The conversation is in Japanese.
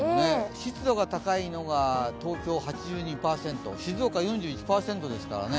湿度が高いのが東京８２％、静岡４１％ですからね。